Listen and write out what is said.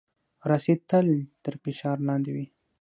رسۍ تل تر فشار لاندې وي.